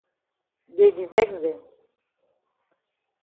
Dey di vex dem.